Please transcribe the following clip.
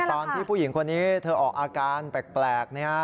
ตอนที่ผู้หญิงคนนี้เธอออกอาการแปลก